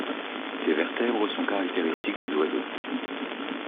Ces vertèbres sont caractéristiques des oiseaux.